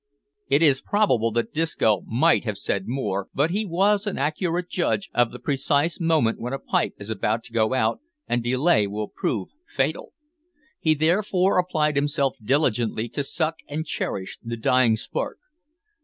It is probable that Disco might have said more, but he was an accurate judge of the precise moment when a pipe is about to go out, and delay will prove fatal. He therefore applied himself diligently to suck and cherish the dying spark.